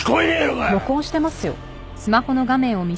録音してますよ。